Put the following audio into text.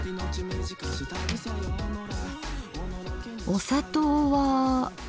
お砂糖は。